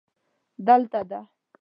دا دلته ده